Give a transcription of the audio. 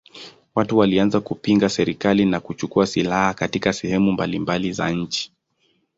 Watu walianza kupinga serikali na kuchukua silaha katika sehemu mbalimbali za nchi.